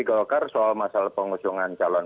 golkar soal masalah pengusungan calon